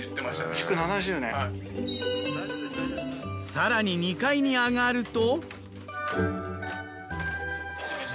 更に２階に上がると。